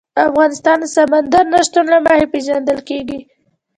افغانستان د سمندر نه شتون له مخې پېژندل کېږي.